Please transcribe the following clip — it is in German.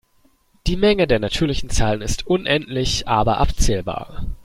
Die Menge der natürlichen Zahlen ist unendlich aber abzählbar.